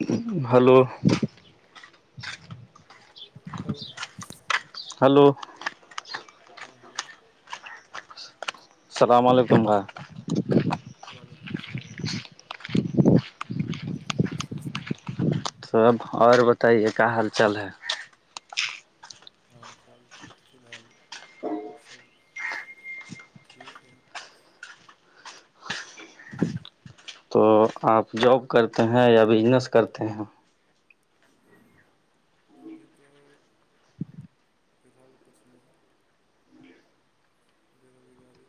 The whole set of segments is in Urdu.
[inaudible] بالو ہل ہلو ہاں ہلو السلام علیکم بھ وعلیکم السلام تو اب اور بتائیے کیا حال چال ہے حال چال فی الحال سب ٹھیک ہے تو آپ جاب کرتے ہیں یا بزنس کرتے ہیں جبھی تو کچ نہیں بیروزگاری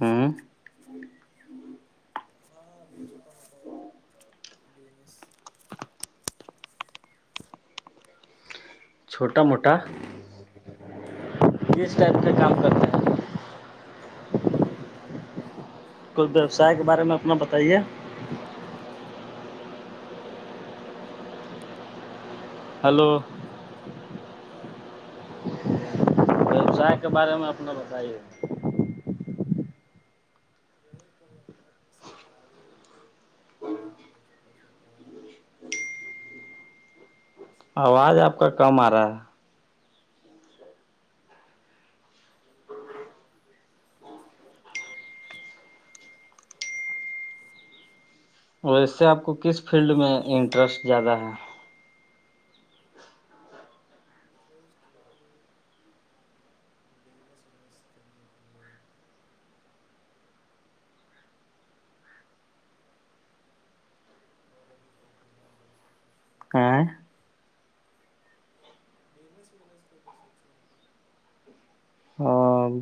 ہوں ہاں ابھی چھوٹا موٹا ہے پس چھوٹا موٹا ہاں اس ٹائپ کے کام کرتے ہیں کوئی ویوسائے کے بارے میں اپنا بتائیے ہلو ا سا ہاں ووسائے کے بارے میں اپنا بتائیے اور ب اسی کے آواز اوپر، آپ کا کم آ رہا ہے ہلو اور اس سے آپ کو کس فیلڈ میں انٹرسٹ زیادہ ہے بزنس ونس کرنے کے لیے ج آ [inaudible]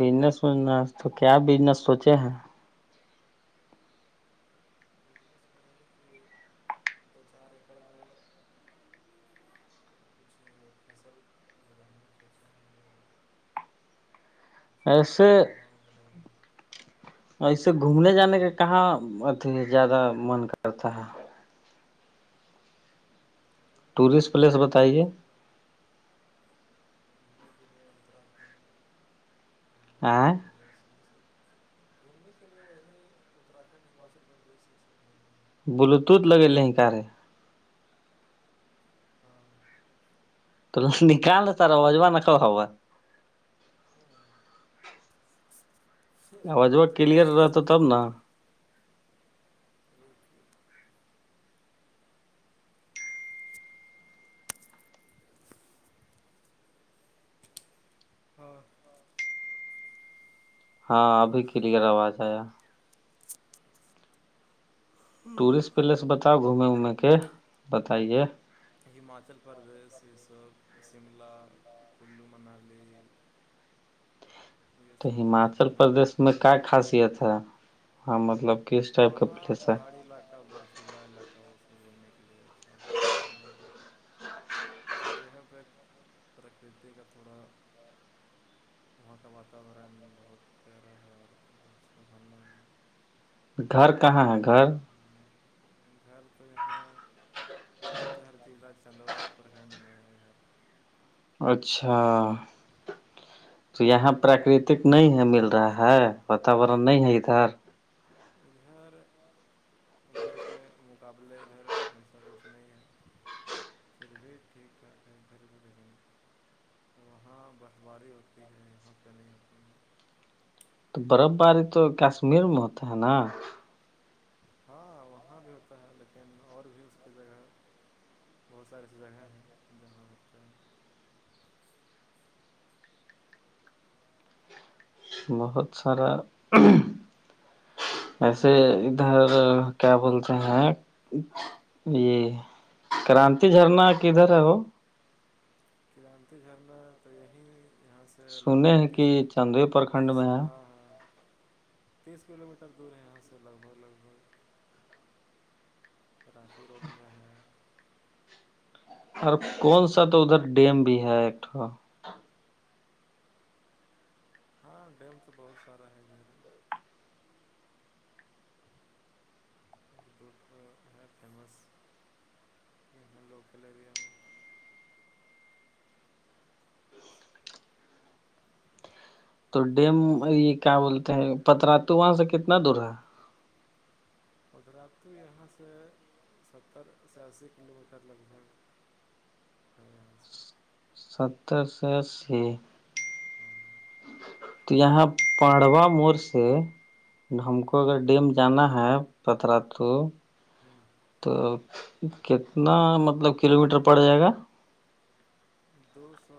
بزنسنا تو کیا بزنس سوچے ہیں ہے کہ دو چار ایکڑ میں اصل کچھ ایسے پودا وودا اور اسے گھومنے جانے کا کہاں ا زیادہ من کرتا ہے لگانے گھومنے ٹورسٹ کے لیے پلیس بتائیے آئ ب گھومنے کے لیے وہے ہیں اتراکھنڈ ہماچل پردیش سب جگہ ہیں بلوٹوت لگے لے ہیں کارے تو نکال رہ تارا اجبا ن ک ہوا آج کلیئر رہتا تب نا ہاں ہاں ابھی کلیئر آواز آیا ٹورسٹ پلیس بتاؤ گھومے وومے کے بتائیے ہماچل پردیش یہ سب شملہ کلو منالی یہ تو سب جگہ ہماچل جانے کا پردیش میں پلان کیا خاصیت ہے ہاں مطلب کس ٹائپ کا وہاں پلیس ہے پہاڑی علاقہ برفیلا علاقہ اس سے گھومنے کے لیے اچھا ہے اور یہ سب جگہ پہ پرکرتی کا تھوڑا وہاں کا واتاورن بہت پیارا ہے اور گھر کہاں ہے گھر گھر تو یہاں لاتار ضلع چندوا پرکھنڈ میں ہے گ اچھا تو یہاں پراکرتک نہیں ہے مل رہا ہے واتورن نہیں ہے ادھر گھر ادھر ادھر کے مقابلے ادھر ہمیشہ کچھ نہیں ہے تر بھییت ٹھیک ٹھاک ہے ادھر گدھر میں وہاں برفباری ہوتی ہے یہاں پہ نہیں ہوتی تو برف باری تو کشمیر میں ہوتا ہے نا ہاں وہاں بھی ہوتا ہے لیکن اور بھی اس کی جگہ بہت ساری ایسی جگہیں ہیں جہاں ہوتا بہت سارا ویسے ادھر کیا بولتے ہیں یہ کرانتی جھرنا کدھر ہے وہ کررانتی جھرنا تو یہی یہاں سے لگ سنے بھگ ہیں کہ تیس چاندوئی پرکھنڈ تیس میں تھا ہے تیس کلو میٹر دور ہے یہاں سے لگ بھگ لگ بھگ کرانچی روڈ میں ہے اور کون سا تو ادھر ڈیم بھی ہے ایکوا ہاں ڈیم تو بہت سارا ہے اھر فیمس یہاں لوکل ایریا میں تو ڈیم یہ کیا بولتے ہیں پترا توو وہاں سے کتنا دور ہے قجرات یہاں سے ستر سے اسی کلو میٹر لگ بھگ تو ستر سو اسی ہاں تو یہاں پاڑوا موڑ سے ہم کو ہوں اگر ڈیم جانا ہے پترا توو ہوں تو کتنا مطلب کلو میٹر پڑ جائے گا دو سو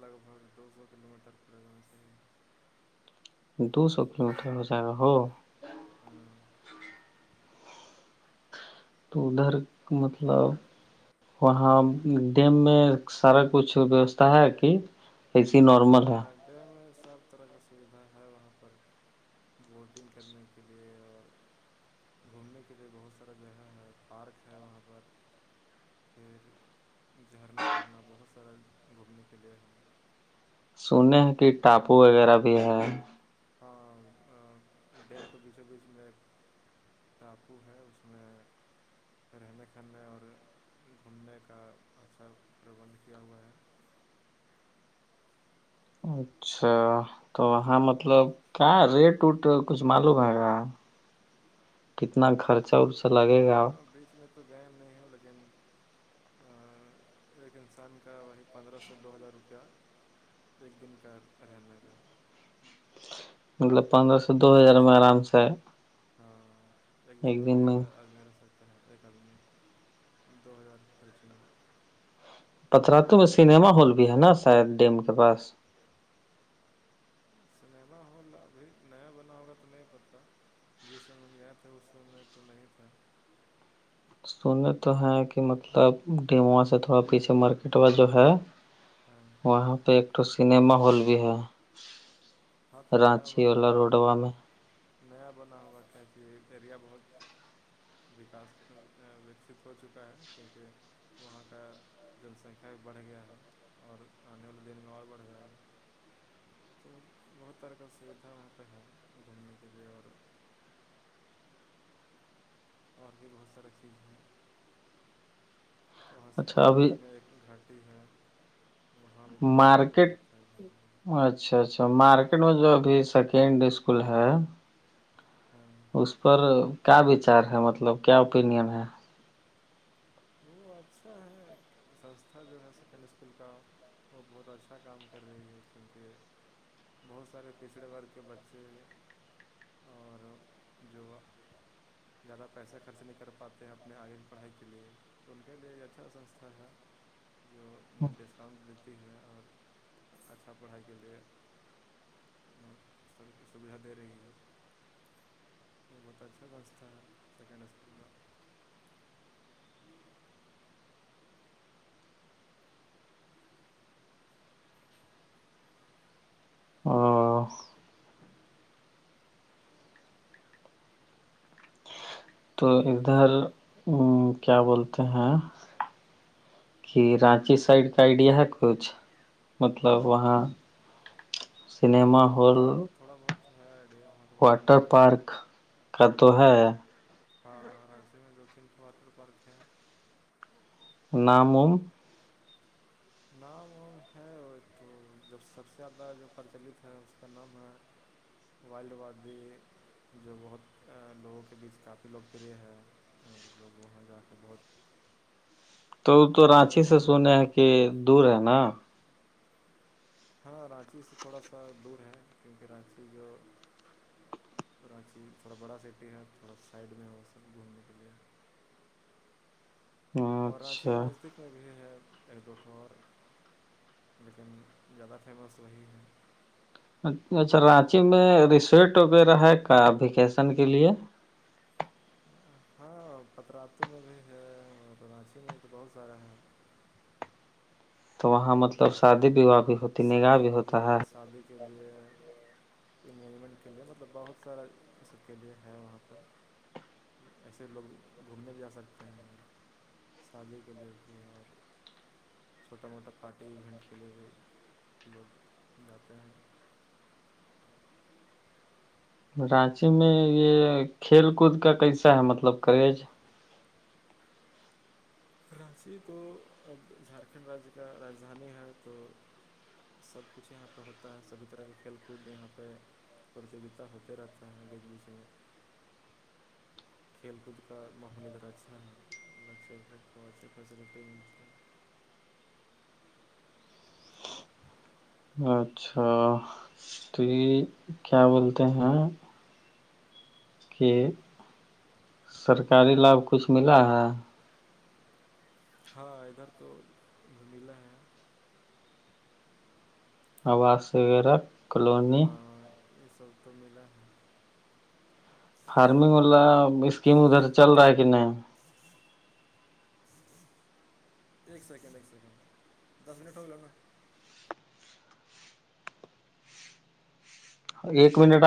لگ بھگ دو سو کلو میٹر پریگرن سے دو سو کلو میٹر ہو جائے رہا ہو ہمم تو ادھر مطلب وہاں ڈیم میں سارا کچھ ویوستھا ہے کہ ایسے ہی نار ہاں ڈیم سب طرح کا سویدھا ہے وہاں پر بوٹنگ کرنے کے لیے اور گھومنے کے لیے بہت سارا جگہ ہے پارک ہے وہاں پر پھر جھرنا وورنا بہت سارا گھومنے کے لیے ہے نے کی ٹاپو وغیرہ بھی ہے ہاں ڈیم کے بیچوں بیچ میں ٹاپو ہے اس میں رہنے کہنے اور گھومنے کا اچھا پربندھ کیا ہوا ہے اچھا تو وہاں مطلب کیا ریٹ وٹ کچھ معلوم ہے گا کتنا خرچہ ارچا ہاں بیچ میں تو گائ نہیں ہو لگیں گے ایک انسان کا وہی پندرہ سے دو ہزار روپیہ ایک دن کا رہنے کا مطلب پندرہ سے دو اور ہزار اس میں آرام سے ہاں ایک دن کے لیے آدمی رہ سکتے ہوتا ہے اکادمی دو ہزار چالس میں پتراتو میں سنیما ہال بھی ہے نا شاید ڈیم کے پاس سنیما ہال ابھی نیا بنا ہوگا تو نہیں پتتا جس لم میں گیا تھا اس لم میں تو نہیں تھا سنے تو ہیں کہ مطلب ڈموا سے تھوڑا پیچھے مارکیٹ والا جو ہے [unintelligible] وہاں پہ ایک تو سنیما ہال بھی ہے ہاں تو نیا رانچی بنا واللا ہوگا روڈوا میں نیا بنا ہوگا کیا کہ ایریا بہت وکاس وکست ہو چکا ہے کیونکہ وہاں کا جن سنکھیا بھی بڑھ گیا ہے اور آنے والے دن میں اور بڑھ جا ہے تو بہت طرح کا سویدھا وہاں پہ ہے گھومنے کے لیے اور اور بھی بہت ساریے چیز ہیں وہاں سے کچھ اچھا ابھی دوری میں ایک گھاٹ ٹھیک ہے وہاں بھی [unintelligible] بہت سارے لوگ آتے ہیں گھومنے کے لیے اچھا اچھا مارکیٹ میں جو ابھی سیکنڈ اسکول ہے ہاں اس پر کیا وچار ہے مطلب کیا اوپینن ہے وہ اچھا ہے سنستھا جو ہے سیکنڈری اسکول کا وہ بہت اچھا کام کر رہی ہے کیونکہ بہت سارے پچھڑے ورگ کے بچے اور جو زیادہ پیسے خرچ نہیں کر پاتے ہیں اپنے آگے کی پڑھائی کے لیے تو ان کے لیے اچھا سنستھا ہے جو انہیں ڈسکاؤنٹ دیتی ہے اور اچھا پڑھائی کے لیے س سویدھا دے رہی ہیں وہ بترھاستتا ہے سیکینڈ اس میں تو ادھر کیا بولتے ہیں کہ رانچی سائڈ کا آئیڈیا ہے کچھ مطلب وہاں سنیما ہاں ہال [unintelligible] [unintelligible] واٹر پارک کا تو ہے اور راسی میں دو کن واٹر پارک ہے نامم نام وام ہے تو جب سب سے زیادہ جو پرچلت ہے اس کا نام ہے وائلڈ وا بھی جو بہت لوگوں کے بیچ کافی لوک پہ ہے اور لوگ وہاں جا کے بہت تو وہ تو گھومنے رانچی سے پھرنے کے سنے ہیں لیے کہ دور ہے نا تھڑا رانچی سے تھوڑا سا دور ہے کیونکہ رانچی جو کراچی تھوڑا بڑا سٹی ہے تھوڑا سائڈ میں وہ سب گھومنے کے لیے اور رانچی کے اچھا نزدیک میں بھی ہے ایک دوٹور لیکن زیادہ فیمس وہی ہے اچھا رانچی میں ریسیٹ وغیرہ ہے کا ویکیسن کے لیے ہاں پترتو میں بھی ہے اور رانچی میں تو بہت سارا ہے تو وہاں مطلب یہاں پہ شادی وواہ بھی ہوتی نگاہ شادی بھی وادی ہوتا کے لی ہے شادی کے لیے مینجمنٹ کے لیے مطلب بہت سارا اس سب کے لیے ہے وہاں پر ایسے لوگ گھومنے بھی جا سکتے ہیں شادی کے لیے بھی اور چھوٹا موٹا [unintelligible] پارٹی ایینٹ کے لیے بھی لوگ جاتے ہیں [unintelligible] رانچی میں یہ کھیل کود کا کیسا ہے مطلب کریج کراچی تو اب جھارکھنڈ راجیہ کا راجدھانی ہے تو سب کچھ یہاں پہ ہوتا ہے سبھی طرح کے کھیل کود یہاں پہ پرتیوگتا ہوتے رہتا ہیں گریجویشن میں کھیل کود کا ماحول ادر اچھا ہے ا چل [unintelligible] توہ اچھی فیسلٹی ملتی ہے [unintelligible] اچھا تو یہ کیا بولتے ہیں کہ سرکاری لابھ کچھ ملا ہے ہاں ادھر تو گھمیلا ہے آواس وغیرہ کلونی ہاں یہ سب تو ملا ہے [unintelligible] فارمنگ والا اسکیم ادھر چل رہا ہے کہ نہیں ایک سیکنڈ ایک سیکنڈ دس منٹ ہو ل نا ایک منٹ